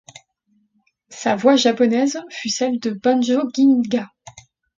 Sa voix japonaise fut celle de Banjo Ginga.